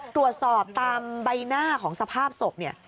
ตรวจสอบตามใบหน้าของสภาพศพเนี่ย